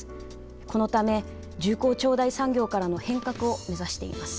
このため重厚長大産業からの変革を目指しています。